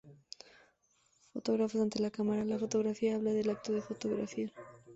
Fotógrafos ante la cámara: La fotografía habla del acto de fotografiar.